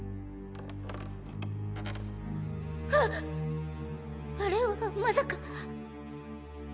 ああれはまさか。